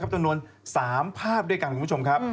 จำนวน๓ภาพด้วยกันคุณผู้ชมครับ